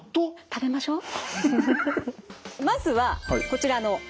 食べましょう。